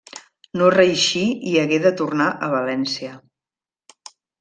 No reeixí i hagué de tornar a València.